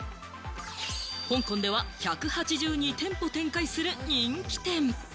香港では１８２店舗展開する人気店。